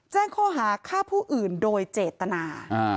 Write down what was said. แจ้งข้อหาฆ่าผู้อื่นโดยเจตนา